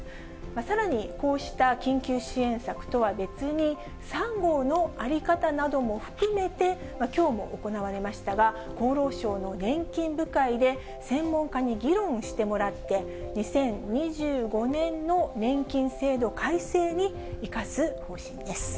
さらにこうした緊急支援策とは別に、３号の在り方なども含めて、きょうも行われましたが、厚労省の年金部会で専門家に議論してもらって、２０２５年の年金制度改正に生かす方針です。